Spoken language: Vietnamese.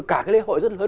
cả cái lễ hội rất lớn